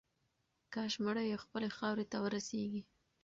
کاش مړی یې خپلې خاورې ته ورسیږي.